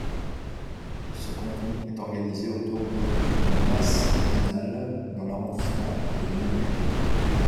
Ce canton est organisé autour de Nasbinals, dans l'arrondissement de Mende.